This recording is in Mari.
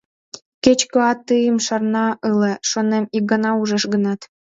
Кеч-кӧат тыйым шарна ыле, шонем, ик гана ужеш гынат.